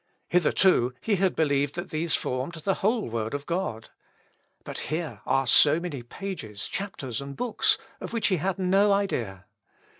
Hitherto he had believed that these formed the whole word of God. But here are so many pages, chapters, and books, of which he had no idea!